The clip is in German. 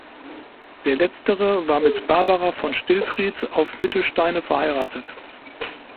Der letztere war mit Barbara von Stillfried auf Mittelsteine verheiratet.